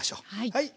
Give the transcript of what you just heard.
はい。